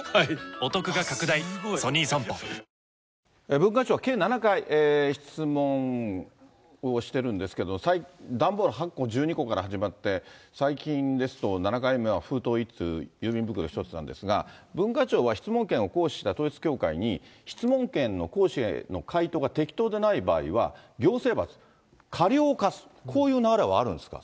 文化庁は計７回、質問をしてるんですけど、段ボール８個、１２個から始まって、最近ですと、７回目は封筒１通、郵便袋１袋なんですが、文化庁は質問権を行使した統一教会に、質問権の行使の回答が適当でない場合は、行政罰、過料を科す、こういう流れはあるんですか？